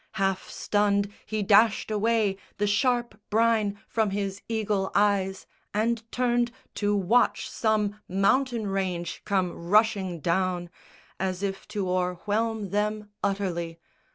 Half stunned he dashed away The sharp brine from his eagle eyes and turned To watch some mountain range come rushing down As if to o'erwhelm them utterly.